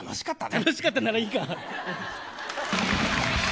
楽しかったならいいか。